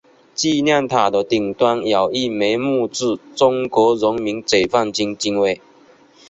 纪念塔的顶端有一枚木质中国人民解放军军徽。